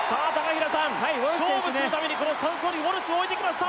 平さん勝負するためにこの３走にウォルシュを置いてきました